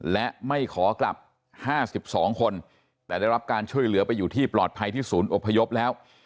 และไม่ขอกลับ๕๒คนแต่ได้รับการช่วยเหลือไปอยู่ที่ปลอดภัยที่ศูนย์อพยพแล้ว